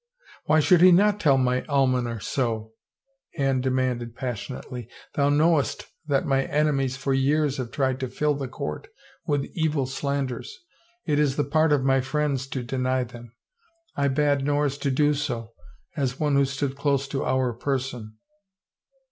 "" Why should he not tell my almoner so ?" Anne de manded passionately. " Thou knowest that my enemies for years have tried to fill the court with evil slanders. It is the part of my friends to deny them. ... I bade Norris do so, as one who stood close to our person."